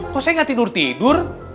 kok saya gak tidur tidur